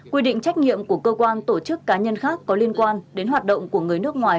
quy định trách nhiệm của cơ quan tổ chức cá nhân khác có liên quan đến hoạt động của người nước ngoài